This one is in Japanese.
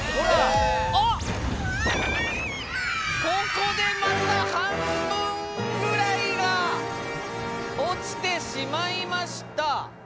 おっここでまた半分ぐらいが落ちてしまいました。